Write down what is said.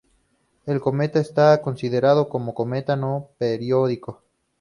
El cometa está considerado como cometa no periódico.